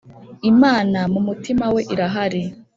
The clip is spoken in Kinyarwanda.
Imana mu mutima we irahari